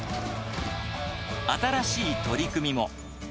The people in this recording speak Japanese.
新しい取り組みも。